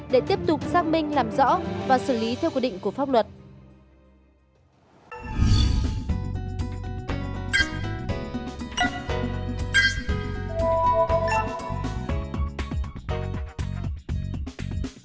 để tiếp tục xác minh làm rõ và xử lý theo quy định của pháp luật